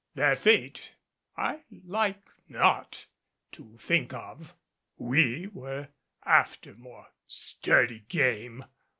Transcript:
Their fate I like not to think of. We were after more sturdy game.